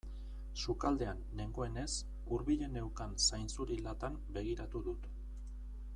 Sukaldean nengoenez hurbilen neukan zainzuri latan begiratu dut.